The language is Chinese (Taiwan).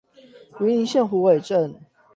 雲林縣虎尾鎮